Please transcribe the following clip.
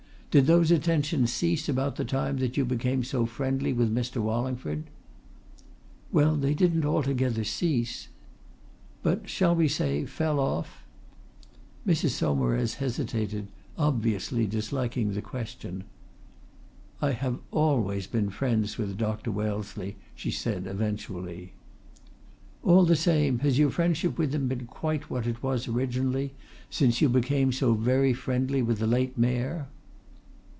"Did those attentions cease about the time that you became so friendly with Mr. Wallingford?" "Well, they didn't altogether cease." "But, shall we say, fell off?" Mrs. Saumarez hesitated, obviously disliking the question. "I have always been friends with Dr. Wellesley," she said eventually. "All the same, has your friendship with him been quite what it was originally, since you became so very friendly with the late Mayor?"